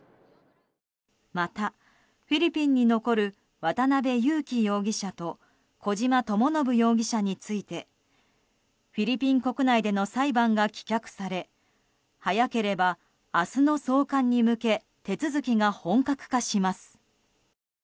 またフィリピンに残る渡邉優樹容疑者と小島智信容疑者についてフィリピン国内での裁判が棄却され早ければ明日の送還に向け手続きが本格化します。